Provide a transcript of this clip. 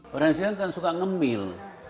variasi isian kan suka ngemil